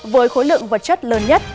với khối lượng vật chất lớn nhất